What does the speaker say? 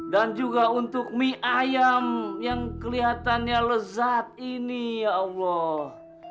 dan juga untuk mie ayam yang kelihatannya lezat ini ya allah